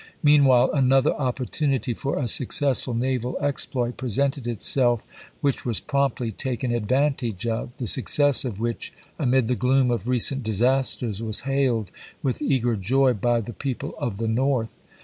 Meanwhile another opportunity for a successful naval exploit 12 ABKAHAM LINCOLN Chap. I. presented itself, whieli was promptly taken advan tage of, the success of which, amid the gloom of recent disasters, was hailed with eager joy by the people of the North.